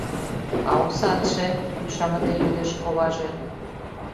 — А оксатше? — ӱшаныде йодеш коваже.